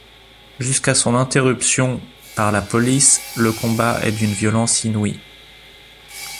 Jusqu'à son interruption par la police, le combat est d'une violence inouïe.